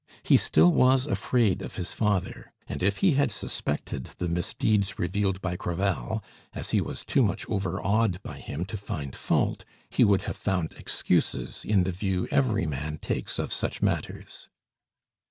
He still was afraid of his father; and if he had suspected the misdeeds revealed by Crevel, as he was too much overawed by him to find fault, he would have found excuses in the view every man takes of such matters.